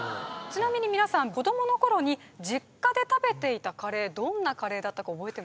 ちなみにみなさん子どもの頃に実家で食べていたカレーどんなカレーだったか覚えてます？